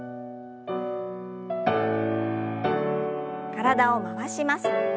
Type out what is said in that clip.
体を回します。